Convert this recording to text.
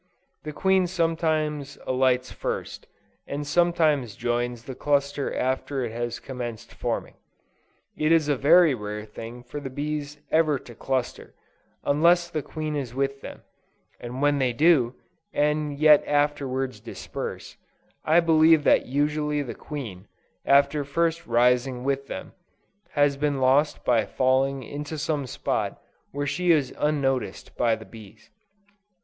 The queen sometimes alights first, and sometimes joins the cluster after it has commenced forming. It is a very rare thing for the bees ever to cluster, unless the queen is with them; and when they do, and yet afterwards disperse, I believe that usually the queen, after first rising with them, has been lost by falling into some spot where she is unnoticed by the bees.